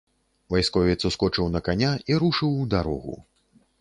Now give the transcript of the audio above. Вайсковец ускочыў на каня і рушыў у дарогу.